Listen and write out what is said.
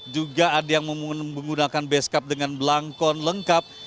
juga ada yang menggunakan base cap dengan belangkon lengkap